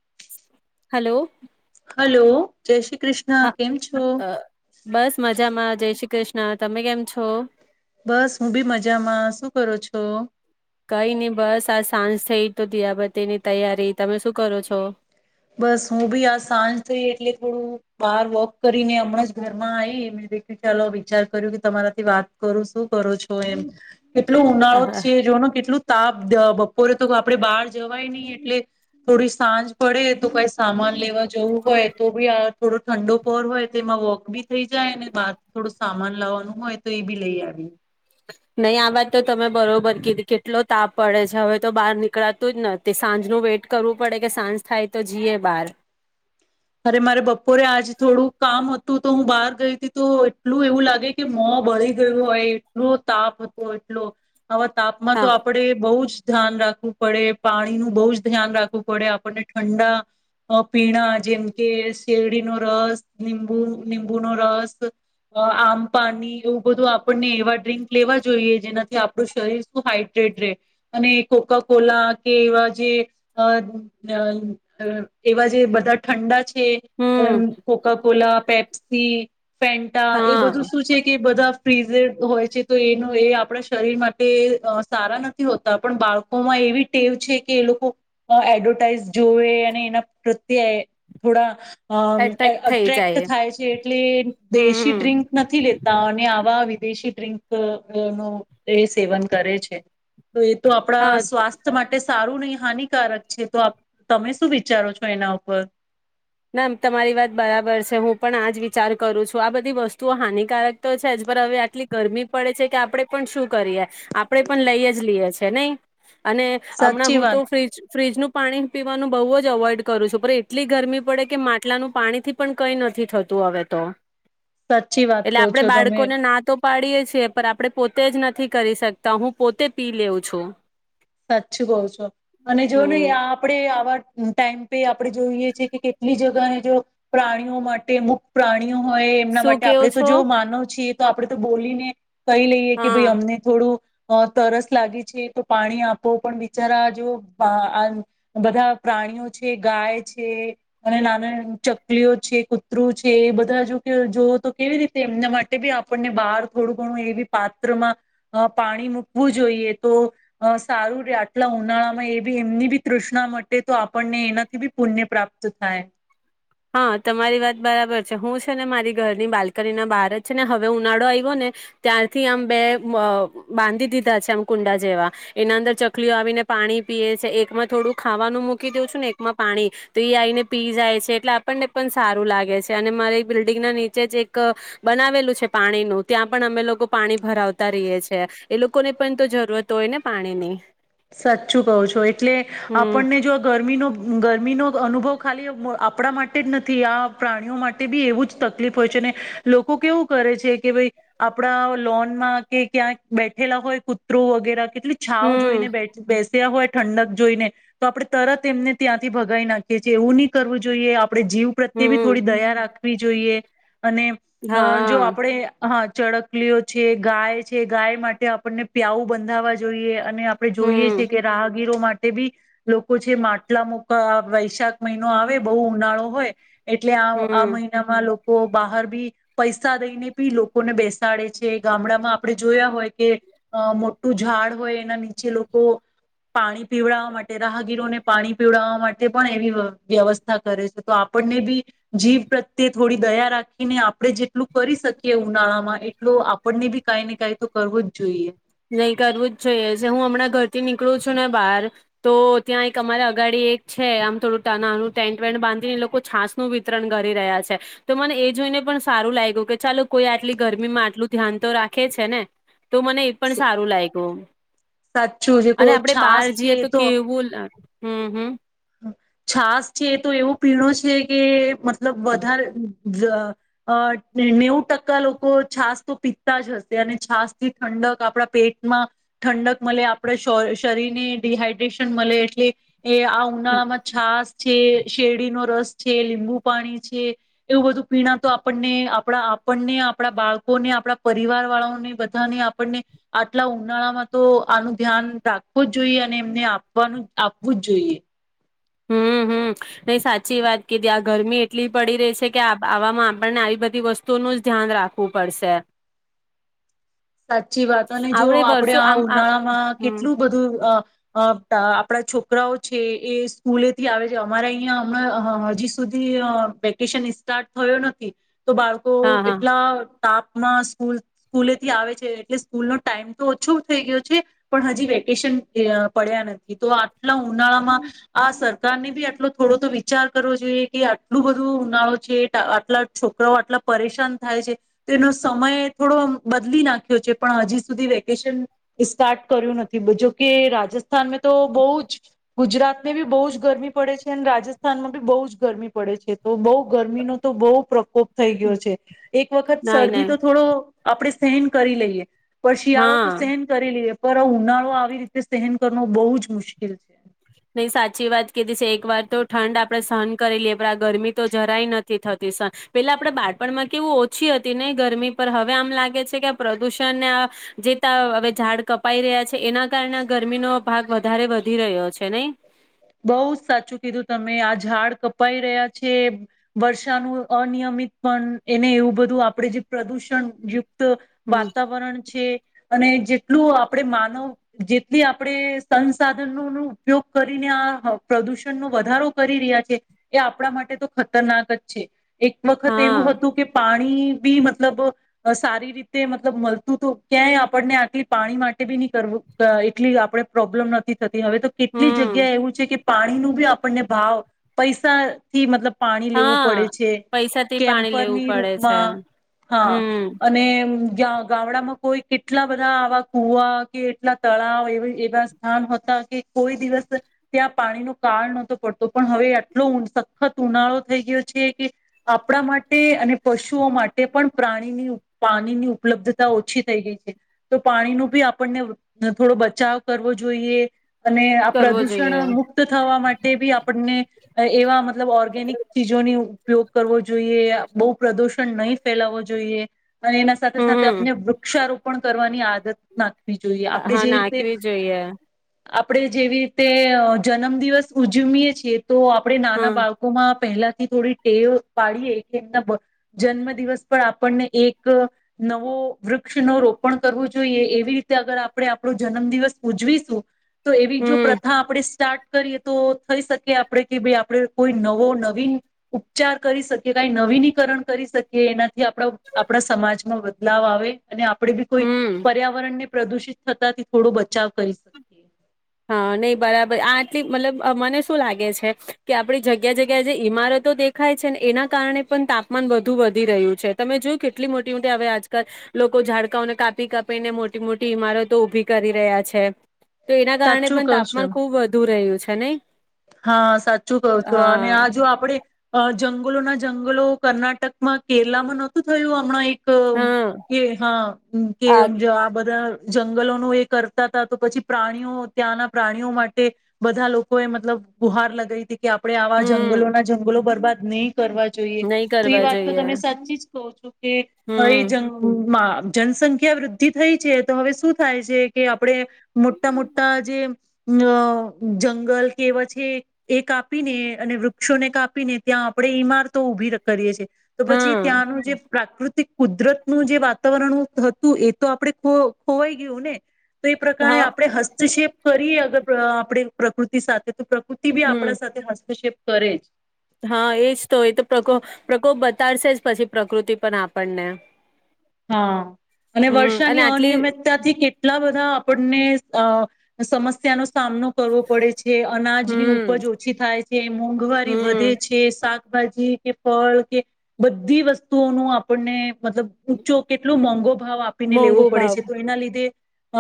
[inaudible] Hello. ચેશી. હા અ બસ મજામાં જય શ્રી કૃષ્ણ ના તમે કેમ છો બસ હું બી મજામાં શું કરું છો સાંસ થઈ તો ધીરાબ તે ની તૈયારી તમે શું કરો છો બસ હું બી આ સાંજ થઈ એટલે થોડું બાર વોક કરીને હમણાં જ ઘરમાં આવી મેં દેખ્યું ચાલો વિચાર કર્યું કે તમારાથી વાત કરું શું કરો છો એમ કેટલો ઉનાળો આહા, છે જોનો કેટલું તાપ બપોરે તો આપડે બહાર જવાય નહી એટલે થોડી સાંજ પડે તું કઈ સામાન લેવા જવું હોય તો ભી થોડો ઠંડો પહર હોય તો તે એમાં વોક બી થઈ જાય ને બહાર થોડો સામાન લાવવાનું હોય તો એ બી લઈ આવી નહીં આ વાત તો તમે બરોબર કીધી કેટલો તાપ પડે છે હવે તો બહાર નીકળાતું જ ન તે સાંજ ન વેટ કરવું પડે કે સાંજ થાય તો જીએ બાર અરે મારે બપોરે આજ થોડું કામ હ તો હું બહાર ગઈ હતી તો એટલું એવું લાગે કે મો બળી ગયું હોય એટલો તાપ હતો એટલો આવા તાપમાં હા તો આપણેે બહુ જ ધ્યાન રાખવું પડે પાણીનું બહુ જ ધ્યાન રાખવું પડે આપણને ઠંડા અ પીણા જેમ કે શેરડીનો રસ લીંબુ લીંબુ નો રસ આમ પાણી એવું બધું આપણને એવા ડ્રિંક લેવા જોઈએ જેનાથી આપણું શરીર શું હાઈડ્રેટ રહે અને કોકાકોલા કે એવા જે અ ર એવા જે બધા ઠંડા છે હમ કોકાપોલા પેપ્સ તે ફેન્ટા એ બધું હા શું છે કે બધા ફ્રીઝ હોય છે તો એનો એ આપણા શરીર માટે અ સારા નથી હોતા પણ બાળકોમાં એવી ટેવ છે કે એ લોકો એડવર્ટાઈઝ જોવે અને એના પ્રત્યે થોડા અ એટ્રેક્ટ થઈ અટ્રેક્ટ જાય થાય છે એટલે દેશી હમ ડ્રિંક નથી લેતા અને આવા દેશી ડ્રિંક નું એ સેવન કરે છે. તો એ તો આપણા હા સ્વાસ્થ્ય માટે સારું નહી. હાનિકારક છે તો તમે શું વિચારો છો એના ઉપર નામ તમારી વાત બરાબર છે હું પણ આજ વિચાર કરું છું આ બધી વસ્તુઓ હાનિકારક તો છે જ પર હવે આટલી ગરમી પડે છે કે આપણે પણ શું કરીએ આપણે પણ લઈ જ લઈએ છે નહી અને હમણાં સાચી હું વાત તો ફ્રીજ ફ્રીજનું પાણી પીવાનું બહુ જ અવોઇડ કરું છું પણ એટલી ગરમી પડે કે માટલાનું પાણી થી પણ કઈ નથી થતું હવે તો સાચી વાત એટલે કહો આપડે છો તમે બાળકોને ના તો પાડીએે છીએ પણ આપડણે પોતે જ નથી કરી શકતા હું પોતે પી લેઉ છું સાચું કઉ છો અને જો ને હમ આપડે આવા ટાઈમ પે આપણે જોઈએ છેએ કે કેટલી જગાને જો પ્રાણીઓ માટે મુખ પ્રાણી હોય એમના શું માટે કેવું આપડણે તો છો જો માનો છીએ તો આપડે તો બોલીને કહી લઈએ કે હા ભાઈ અમને થોડું અ તરસ લાગે છે તો પાણી આપ આપ પણ બિચારા જો આ બધા પ્રાણીઓ છે ગાય છે અને નાનાના ચકલીઓ છે કૂતરું છે એ બધા જો જોવ તો કેવી રીતે એમના માટે બી આપણને બહાર થોડું ઘણું એવી પાત્રમાં પાણી મૂકવું જોઈએ તો સારું ર આટલા ઉનાળામાં એ બી એમની બી તૃષ્ણા માટે તો આપણને એનાથી બી પુણ્ય પ્રાપ્ત થાય હા તમારી વાત બરાબર છે હું છે ને મારી ઘરની બાલ્કની ના બાર જ છે ને હવે ઉનાળો આવ્યો ને ત્યારથી આમ બે અ બાંધી દીધા છે આમ કુંડા જેવા એના અંદર ચકલીઓ આવીને પાણી પીએ છે એકમાં થોડું ખાવાનું મૂકી દઉં છું ને એકમાં પાણી તો એ આવીને પી જાય છે એટલે આપણને પણ સારું લાગે છે અને મારે બિલ્ડિંગ ના નીચે જ એક બનાવેલું છે પાણીનું ત્યાં પણ અમે લોકો પાણી ભરાવતા રહીએ છીએ એ લોકોને પણ તો જરૂરત હોય ને પાણી ની સાચું કહું છો એટલે હમ આપણને જો આ ગરમીનો ગરમીનો અનુભવ ખાલી આપણા માટે જ નથી આ પ્રાણીઓ માટે બી એવું જ તકલીફ હોય છે ને લોકો કેવું કરે છે કે ભાઈ આપણા લોનમાં કે ક્યાં બેઠેલા હોય કૂતરો વગેરે.. એટલી છાઓ હમ જોઈને બેઠ બેસ ત હોય ઠંડક જોઈને, તો આપડણે તરત એમને ત્યાંથી ભગાવી નાખીએ છીએ એવું નહી કરવું જોઈએ. આપણે જીવ પ્રત્યે બી હમ થોડી દયા રાખવી જોઈએ. અને અ જો હા આપડે હા. ચડકલીઓ છે ગાય છે ગાય માટે આપણને પ્યાઉ બંધાવા જોઈએ અને આપણે જોઈએ હમ છેએ કે રાહગીરો માટે બી લોકો છે માટલા મુક વૈશાખ મહિનો આવે બહુ ઉનાળો હોય. એટલે આ આ હમ મહિનામાં લોકો બહાર બી પૈસા દઈને બી લોકોને બેસાડે છે ગામડામાં આપડણે જોયા હોય કે મોટું ઝાડ હોય એના ની જે લોકો પાણી પીવડાવવા માટે રાહગીરોને પાણી પીવડાવવા માટે પણ એવી વ્યવસ્થા કરે છે તો આપણને બી જીવ પ્રત્યે થોડી દયા રાખીને આપણે જેટલું કરી શકીએ ઉનાળામાં એટલું આપણને બી કાઈ ને કંઈ તો કરવું જ જોઈએ. નહીં કરવું જ જોઈએ છે હું હમણાં ઘરથી નીકળું છું ને બહાર તો ત્યાં એક અમારે અગાડી એક છે આમ થોડું તા નાનું ટેન્ટ વેન્ટ બાંધીને લોકો છાાસનું વિતરણ કરી રહ્યા છે તો મને એ જોઈને પણ સારું લાગ્યું કે ચાલો કોઈ આટલી ગરમીમાં આટલું ધ્યાન તો રાખે છે ને તો મને પણ સારું લાયગુ. સાચું જે કો છાસ છે એ તો હમ હમ. છાસ છે તો એવો પીણો છે. કે મત મતલબ વધારે [inaudible] નેવ ટકા લોકો છાસ તો પીતા જ હશે અને છાસ થી ઠંડક આપણા પેટમાં ઠંડક મળે આપણા શરીરને ડડીહાઈડ્રેશન મળે એટલે એ ઉનાળામાં છાસ છે શેરડીનો રસ છે લીંબુ પાણી છે, એવું બધું પીણા તો આપણને આપણા આપણને આપણા બાળકોને આપણા પરિવાર વાળાઓને બધાને આપણને આટલા ઉનાળામાં તો આનું ધ્યાન રાખવું જ જોઈએ અને એમને આપવાનું આપવું જ જોઈએ. હમ હમ નહી સાચી વાત કીધી આ ગરમી એટલી પડી રહી છે કે આવામાં આપણને આવી બધી વસ્તુઓનું જ ધ્યાન રાખવું પડશે. સાચી વાત અને જો આવડે આપણે વર્ષો આ આમ ઉનાળા માં હમ કેટલું બધું અ અ આપણા છોકરાઓ છે એ સ્કૂલેથી આવે છે અમારા અહીંયા હમણાં હજી સુધી વેકેશન સ્ટાર્ટ થયો નથી. તો બાળકો હા હા એટલા તાપમાં સ્કૂલ સ્કૂલે થી આવે છે એટલે સ્કૂલનો ટાઈમ તો ઓછો થઈ ગયો છે, પણ હજી વેકેશન પડ્યા નથી તો આટલા ઉનાળામાં, આ સરકારને ભી આટલો થોડો તો વિચાર કરવો જોઈએ કે આટલું બધું ઉનાળો છે આટલા છોકરાઓ આટલા પરેશાન થાય છે, તો એનો સમય થોડો બદલી નાખ્યો છે પણ હજી સુધી વેકેશન સ્ટાર્ટ કર્યું નથી જોકે રાજસ્થ સ્થાન તો બો જ ગુજરાત ને બો જ ગરમી પડે છે અને રાજસ્થાનમાં ભી બો જ ગરમી પડે છે. તો બો ગરમીનો તો બો પ્રકોપ થઈ ગયો છે, એક વખત નહી શરદી નહી તો થોડો આપણેે સહન કરી લઈએ. પણ શિયાળો તો હા સહેન કરી લઈએ. પર આ ઉનાળો આવી રીતે સહેન કરો બહુ જ મુશ્કેલ છે. નહી સાચી વાત કીધી છે એક વાર તો ઠંડ આપડણે સહન કરી લઈએ પણ આ ગરમી તો જરાય નથી થતી સહન, પેલા આપણેે બાળપણમાં કેવું ઓછી હતી નહ ગરમી પર હવે આમ લાગે છે કે આ પ્રદુષણને આ, જે ત હવે ઝાડ કપાઈ રહ્યા છે એના કારણે ગરમીનો ભાગ વધારે વધી રહ્યો છે. છે નેઈ. બો જ સાચું કીધું તમે આ ઝાડ કપાઈ રહ્યા છે વર્ષાનું અનિયમિત પણ એને એવું બધું આપડે જે પ્રદુષણ જે વાતાવરણ છે. અને જેટલું આપડે માનવ જેટલી આપણેે સંસાધનો ન ઉપયોગ કરી કરીને આ પ્રદૂષણનો વધારો કરી રહ્યા છે એ આપણા માટે તો ખતરનાક જ છે. એક વખત એવું હા હતું કે પાણી પાણી ભી મતલબ સારી રીતે મતલબ મલતું તો ક્યાંય આપણને આટલી પાણી માટે ભી નહી કરવું એટલી આપણે પ્રોબ્લેમ નથી થતી હવે તો કે હમ ક્યાં એવું છે કે પાણી નુ ભી આપણને ભાવ પૈસાથી મતલબ પાણી લેવું હા પડે છે પૈસાથી પાણી લેવું કેમ્પરની પડે છે રૂપમાં હા હમ અને જ્યાં ગામડામાં કોઈ કેટલા બધા આવા કુવા કે એટલા તળાવ એવા સ્થાન હતા કે કોઈ દિવસ ત્યાં પાણીનો કાળ નહતો પડતો પણ હવે આટલો સખત ઉનાળો થઈ ગયો છે કે આપણા માટે અને પશુઓ માટે પણ પ્રાણીની પાણીની ઉપલબ્ધતા ઓછી થઈ ગઈ છે તો પાણીનો ભી આપણને થોડો બચાવ કરવો જોઈએ અને કરવો પ્રદૂષણ જોઈએ મુક્ત થવા માટે ભી આપણને એવા મતલબ ઓર્ગેનિક ચીજોની ઉપયોગ કરવો જોઈએ બો પ્રદુષણ નહી ફેલાવવો જોઈએ. અને એના સાથે સાથે હમ અને વૃક્ષારોપ પણ કરવાની આદત નાખે. હા નાખવી જોઈએ. આપણેે જેવી તે જન્મદિવસ ઉજ્જમય છીએ. તો આપડે નાના હા બાળકોમાં પહેલાથી થોડી ટેવ પાડીએ કે એમના જન્મ દિવસ પર આપણને એક નવો વૃક્ષ ન રોપણ કરવું જોઈએ એવી રીતે અગર આપણે આપણો જન્મ દિવસ ઉજવીશું તો એવી જો હમ આપણે સ્ટાર્ટ કરીએ તો થઈ શકી આપણે કે ભાઈ આપણે કોઈ નવો નવીન ઉપચાર કરી શકીએ કઈ નવીનીકરણ કરી શકીએ. આપડા આપણા સમાજમાં. [unintelligible] અને આપણેે બી કોઈ હમ પર્યાવરણને પ્રદુષિત થતા થી થોડો બચાવ કરી શકીએ. હા નહી બરાબર આ આટલી મતલબ મને શું લાગે છે કે આપણી જગ્યા જગ્યા જે ઈમારતો દેખાય છે ને એના કારણે પણ તાપમાન વધુ વધી રહ્યું છે તમે જોયું કેટલી મોટી મોટી હવે આજકાલ લોકો ઝાડકાંઓને કાપી કાપીને મોટી મોટી ઈમારતો ઊભી કરી રહ્યા છે. કારણે સાચું પણ કહો છો તાપમાન ખુબ વધુ રહ્યું છે. હે નહી. હા સાચું કવ છું અને હા આ જો આપડે જંગલો ના જંગલો કર્ણાટકમાં કેરલામાં નહોતું થયું હમણાં હા ક હા હમ્મ કે આ આવા બધા જંગલોનું એ કરતા હતા તો પછી પ્રાણીઓ ત્યાંના પ્રાણીઓ માટે બધા લોકો એ બુહાર લગ [unintelligible] કે આપડણે આવા હમ જંગલોના જંગલો બરબાદ. [inaudible] કરવા જોઈએ નહી તો એ કરવા વાત તો જોઈએ તમે સાચી જ કોહ છો. એ એ હમ જંગમાં જનસંખ્યા વૃદ્ધિ થઈ છે તો હવે શું થાય છે કે આપણે મોટા મોટા જે અ જંગલ કેવ છે એ કાપીને અને વૃક્ષોને કાપીને ત્યાં આપડણે ઈમારતો ઊભી કરીએ છીએ તો પછી હા ત્યાંનું જે પ્રાકૃતિક કુદરતનું જે વાતાવરણ હતું એ તો આપડણે ખો ખોવાઈ ગયું ને તો એ પ્રકણે હા આપણે હસ્તક્ષેપ કરીએ અગત્ય અઆપણે પ્રકૃતિ સાથે [inaudible] બી આપણા હમ સાથે હસ્તક્ષેપ કરેજ. હા એજ તો એ તો પ્રકો પ્રકોપ બતાડશે જ પછી પ્રકૃતિ પણ આપણને હા, અને હમ અને વર્ષાની આટલી અનિયમિતતાથી કેટલા બધા બધા આપણને અ સમસ્યા ન સામનો કરવો પડે છે અનાજની હમ ઉપજ ઓછી થાય છે મોંઘવારી વધે હમ છે શાક શાકભાજી કે ફળ કે, બધી વસ્તુઓનું આપણને મતલબ જો કેટલુ મોંઘો ભાવ આપીને લેવો મોંઘો પડે ભાવ છે તો એના લીધે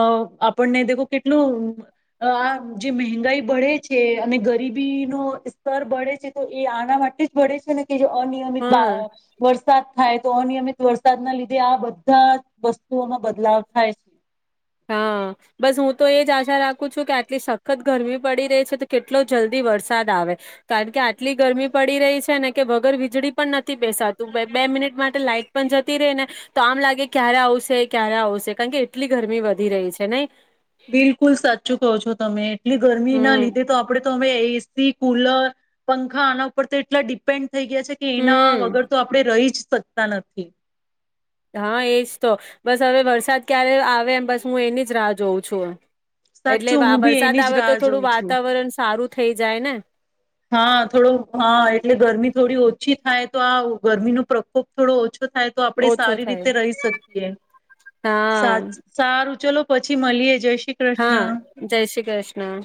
અ આપણને દેખો કેટલું આ જે મહેંગાઈ બળે છે અને ગરીબી નો સ્તર બળે છે તો એ આના માટે જ બળે છે ને. કે જે અનિયમિત હા વા વર્ષ વરસાદ થાય તો અનિયમિત વરસાદના લીધે જે આ બધા વસ્તુઓમાં બદલાવ થાય છે. હા, બસ હું તો એ જ આશા રાખું છું કે આટલી સખત ગરમી પડી રહી છે તો કેટલો જલ્દી વરસાદ આવે, કારણ કે આટલી ગરમી પડી રહી છે ને કે વગર વીજળી પણ નથી બેસાતું બે મિનિટ માટે લાાઈટ પણ જતી રહે ને, તો આમ લાગે ક્યારે આવશે ક્યારે આવશે, કારણ કે એટલી ગર બિલકુલ સાચું કહ છો તમે. એટલી ગરમી ના હમ લીધે તો આપડે તો અમે એસી કુલર, પંખા આના ઉપ તો એટલા ડિપેન્ડ થઈ ગયા છે કે એના હમ વગર તો આપણે રહી જ શકતા નથી. હા એજ તો, બસ હવે વરસાદ ક્યારે આવે એમ બસ હું એની જ રાહ જોઉં છું. એટલે સાચું વા હું બી વરસાદ એની જ આવે રાહ તો જોઉં થોડું છું. વાતાવરણ સારું થઈ જાય ને. હા થોડો હા એટલે ગરમી થોડી ઓછી થાય તો આ ગરમીનો પ્રકોપ થોડો ઓછો થાય તો આપણેે ઓછો સારી થાય. રીતે રહી શકીએ, સા હા સારું ચલો પછી મળીએ જઈ શ હા જય શ્રી કૃષ્ણ.